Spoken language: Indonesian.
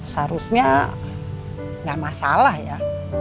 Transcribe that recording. seharusnya gak masalah ya